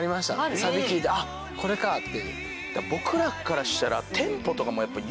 サビ聴いて「あっこれか」って。